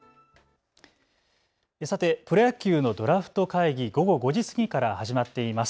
さてプロ野球のドラフト会議、午後５時過ぎから始まっています。